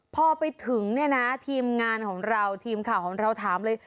พอไปถึงเนี่ยนะทีมงานของเราทีมข่าวของเราถามเลย